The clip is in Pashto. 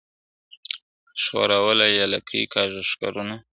ښوروله یې لکۍ کاږه ښکرونه ..